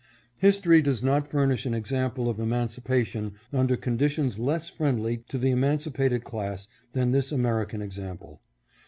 History does not furnish an example of emancipation under conditions less friendly to the emancipated class than this American example.